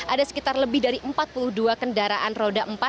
ada sekitar lebih dari empat puluh dua kendaraan roda empat